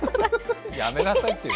やめなさいって！